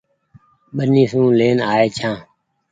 ٻني سون لين آئي ڇآن ۔